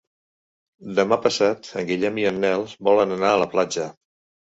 Demà passat en Guillem i en Nel volen anar a la platja.